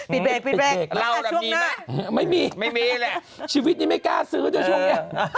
บิดเรือดีมั้ยไม่มีแหละไม่มีเลยชีวิตไม่กล้าซื้อเดี๋ยวช่วงเนี้ย